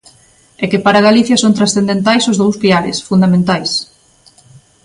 E que para Galicia son transcendentais os dous piares, fundamentais.